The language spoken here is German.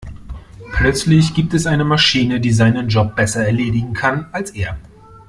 Plötzlich gibt es eine Maschine, die seinen Job besser erledigen kann als er.